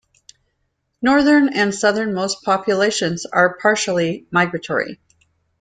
Northern and southernmost populations are partially migratory.